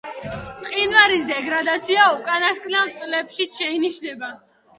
მყინვარის დეგრადაცია უკანასკნელ წლებშიც შეინიშნება.